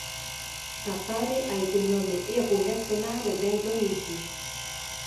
Papare a été nommé héros national d'Indonésie.